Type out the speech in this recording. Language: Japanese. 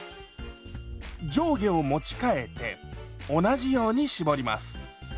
上下を持ち替えて同じように絞ります。